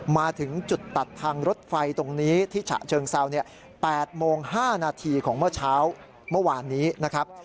มาถึงจุดตัดทางรถไฟตรงนี้ที่ฉะเชิงเซาเนี่ย๘โมง๕นาทีของเมื่อเช้าเมื่อวานนี้นะครับ